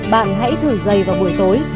bạn hãy thử giày vào buổi tối